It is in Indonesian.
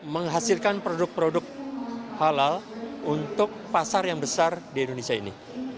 menghasilkan produk produk halal untuk pasar yang besar di indonesia ini